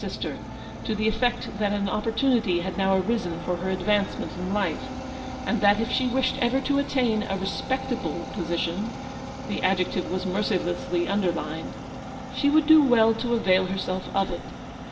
sister, to the effect that an opportunity had now arisen for her advancement in life ; and that if she wished ever to attain a respectable position — the adjective was mercilessly underlined — she would do well to avail herself of it.